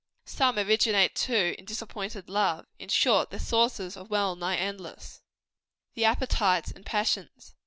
Some originate, too, in disappointed love. In short, their sources are well nigh endless. THE APPETITES AND PASSIONS.